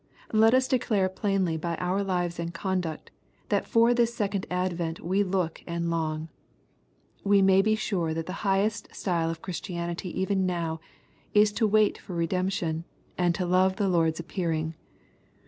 Let us declare plainly by our lives and conduct, that for this second advent we look and long. We may be sure that the highest style of Christianity even now, is to "wait for redemption," and to love the Lord's appearing.